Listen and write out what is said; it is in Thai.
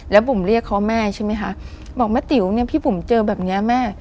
แล้วบุ๋มเรียกเขาแม่ใช่ไหมคะบอกแม่ติ๋วเนี่ยพี่บุ๋มเจอแบบเนี้ยแม่